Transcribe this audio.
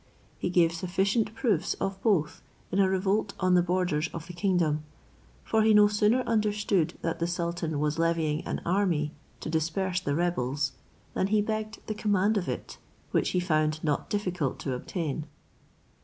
He gave sufficient proofs of both in a revolt on the borders of the kingdom; for he no sooner understood that the sultan was levying an army to disperse the rebels than he begged the command of it, which he found not difficult to obtain.